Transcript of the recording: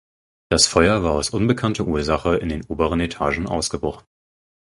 Das Feuer war aus unbekannter Ursache in den oberen Etagen ausgebrochen.